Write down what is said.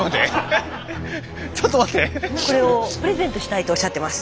これをプレゼントしたいとおっしゃってます。